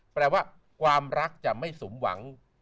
แปลว่าความรักจะไม่สมหวัง